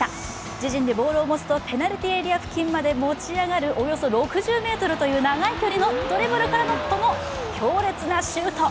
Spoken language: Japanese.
自陣でボールをとるとペナルティーエリアまで持ち上がるおよそ６０ｍという長い距離のドリブルからのこの強烈なシュート。